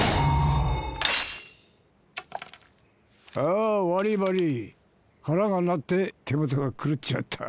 あ悪ぃ悪ぃ腹が鳴って手元が狂っちまった。